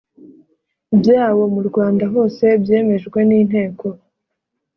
byawo mu rwanda hose byemejwe n inteko